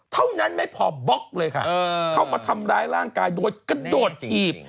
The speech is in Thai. เท่านั้นไม่พอบล็อกเลยค่ะเข้ามาทำร้ายร่างกายโดยกระโดดถีบ